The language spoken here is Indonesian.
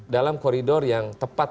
dalam koridor yang tepat